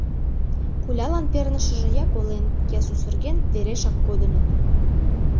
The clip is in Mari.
Пулялан пернышыже я колен, я, сусырген, верешак кодыныт.